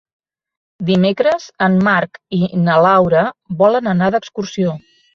Dimecres en Marc i na Laura volen anar d'excursió.